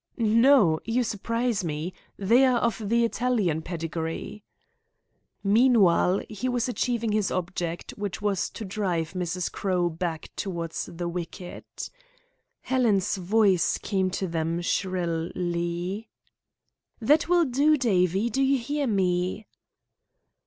"No! You surprise me. They are of the best Italian pedigree." Meanwhile, he was achieving his object, which was to drive Mrs. Crowe back towards the wicket. Helen's voice came to them shrilly: "That will do, Davie! Do you hear me?"